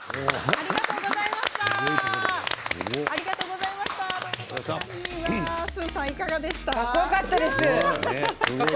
ありがとうございます。